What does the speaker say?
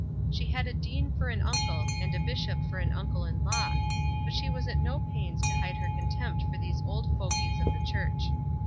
She had a dean for an uncle, and a bishop for an uncle in law; but she was at no pains to hide her contempt for these old fogies of the Church.